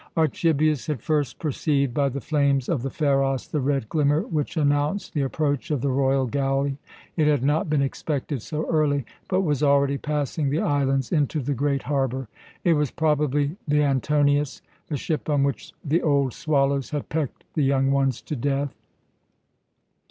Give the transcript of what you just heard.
Archibius had first perceived, by the flames of the Pharos, the red glimmer which announced the approach of the royal galley. It had not been expected so early, but was already passing the islands into the great harbour. It was probably the Antonius, the ship on which the old swallows had pecked the young ones to death.